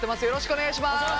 よろしくお願いします！